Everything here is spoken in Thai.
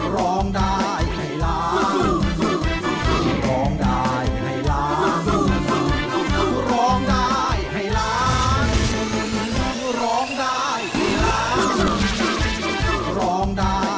ร้องได้ให้ล้าน